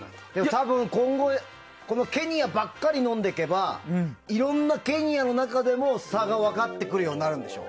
多分、今後ケニアばっかり飲んでいけばいろんなケニアの中でも差が分かってくるようになるんでしょ？